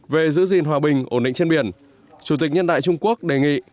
về giữ gìn hòa bình ổn định trên biển chủ tịch nhân đại trung quốc đề nghị